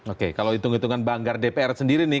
oke kalau hitung hitungan banggar dpr sendiri nih